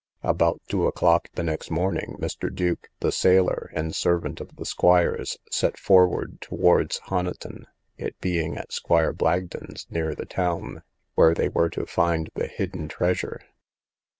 About two o'clock the next morning, Mr. Duke, the sailor, and servant of the squire's, set forward towards Honiton, it being at Squire Blagdon's, near the town, where they were to find the hidden treasure.